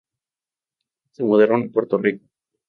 Ambos se mudaron a Puerto Rico.